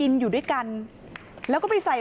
ลาออกจากหัวหน้าพรรคเพื่อไทยอย่างเดียวเนี่ย